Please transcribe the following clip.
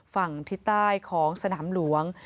ฝั่งที่ใต้ของสนามหลวง